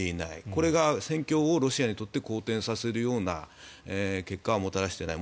これが戦況をロシアにとって好転させるような効果をもたらしていない。